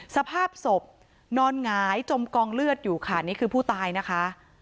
สภาพศพนอนหงายจมกองเลือดอยู่ค่ะนี่คือผู้ตายนะคะ